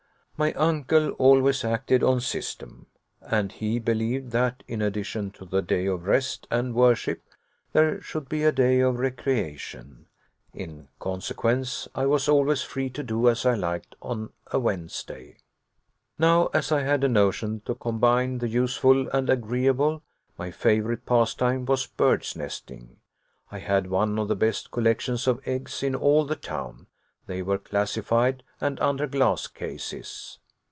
My uncle always acted on system, and he believed that, in addition to the day of rest and worship, there should be a day of recreation. In consequence, I was always free to do as I liked on a Wednesday. Now, as I had a notion to combine the useful and the agreeable, my favorite pastime was birds' nesting. I had one of the best collections of eggs in all the town. They were classified, and under glass cases.